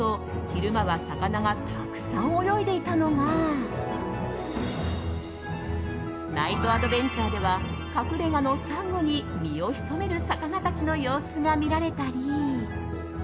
昼間は魚がたくさん泳いでいたのがナイトアドベンチャーでは隠れ家のサンゴに身を潜める魚たちの様子が見られたり。